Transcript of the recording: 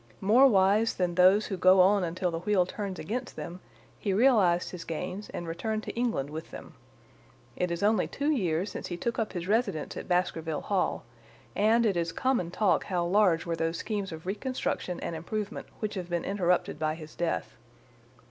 More wise than those who go on until the wheel turns against them, he realised his gains and returned to England with them. It is only two years since he took up his residence at Baskerville Hall, and it is common talk how large were those schemes of reconstruction and improvement which have been interrupted by his death.